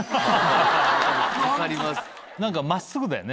何か真っすぐだよね